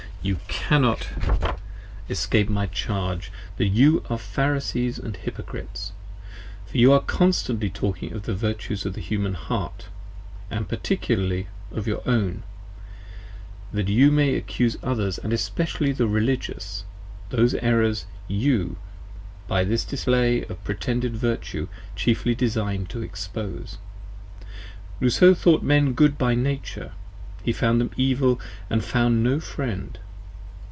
You cannot 59 escape my charge that you are Pharisees & Hypocrites, for you are con stantly talking of the Virtues of the Human Heart, and particularly of 40 your own, that you may accuse others & especially the Religious, whose errors you, by this display of pretended Virtue, chiefly design to expose. Rousseau thought Men Good by Nature: he found them Evil & found no friend.